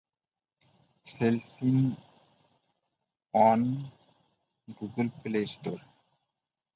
These extensions provided greater connections for Epsom to much of the rest of Surrey.